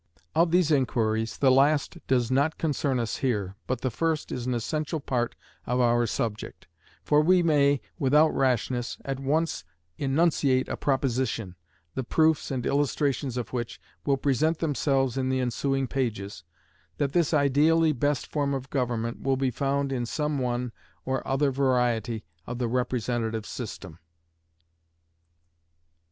Of these inquiries, the last does not concern us here, but the first is an essential part of our subject; for we may, without rashness, at once enunciate a proposition, the proofs and illustrations of which will present themselves in the ensuing pages, that this ideally best form of government will be found in some one or other variety of the Representative System.